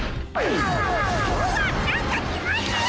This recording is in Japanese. うわっなんかきますよ！